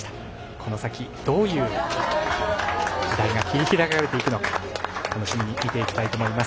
この先、どういう時代が切り開かれていくのか楽しみに見ていきたいと思います。